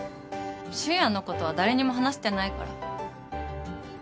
俊也のことは誰にも話してないから。